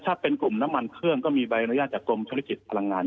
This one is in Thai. ถ้าเป็นกลุ่มน้ำมันเครื่องก็มีใบอนุญาตจากกรมธุรกิจพลังงาน